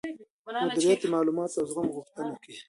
مديريت د معلوماتو او زغم غوښتنه کوي.